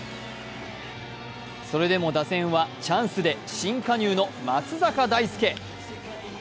それでも打線はチャンスで新加入の松坂大輔。